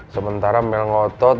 sementara mel ngotot